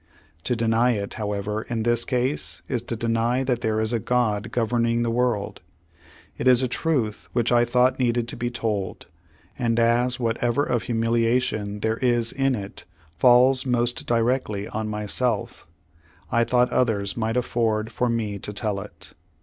To deny it, however, in this case, is to deny that there is a God gov erning the world. It is a truth which I thought needed to be told, and as whatever of humiliation there is in it falls most directly on myself, I thought others might afford for me to tell it."